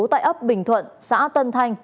tại ấp bình thuận xã tân thanh